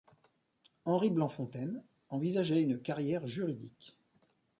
Henri Blanc-Fontaine envisageait une carrière juridique.